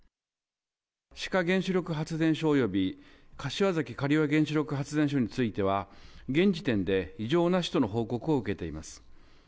志賀原子力発電所および柏崎刈羽原子力発電所については、現時点で異常なしとの報告を受けています。